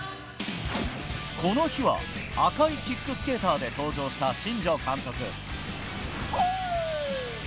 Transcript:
この日は赤いキックスケーターで登場した、新庄監督。